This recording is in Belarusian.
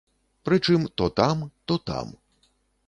Прычым, то там, то там.